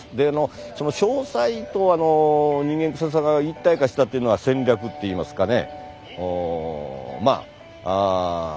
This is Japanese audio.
その商才と人間臭さが一体化したっていうのは戦略っていいますかね。